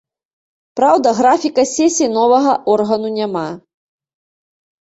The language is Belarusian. Праўда, графіка сесій новага органу няма.